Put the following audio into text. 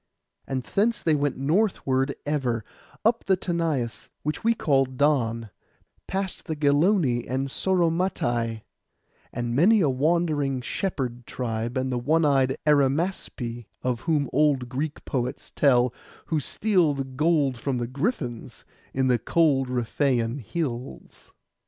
{130c} And thence they went northward ever, up the Tanais, which we call Don, past the Geloni and Sauromatai, and many a wandering shepherd tribe, and the one eyed Arimaspi, of whom old Greek poets tell, who steal the gold from the Griffins, in the cold Riphaian hills.